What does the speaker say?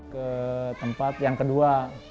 ke tempat yang kedua